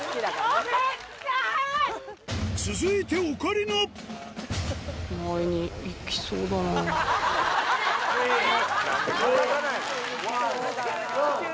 続いてオカリナ・ゴー！